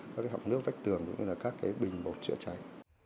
các hộp nước vách tường cũng như các bình bột chữa cháy